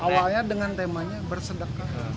awalnya dengan temanya bersedek